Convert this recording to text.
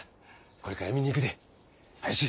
これから見に行くで。はよしぃ。